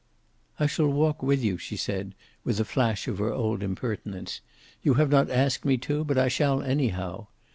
"I shall walk with you," she said, with a flash of her old impertinence. "You have not asked me to, but I shall, anyhow.